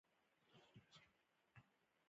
په دې حالت کې هډوکي یو بل ته نږدې کش کېږي.